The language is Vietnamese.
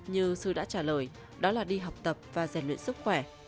như sư đã trả lời đó là đi học tập và giàn luyện sức khỏe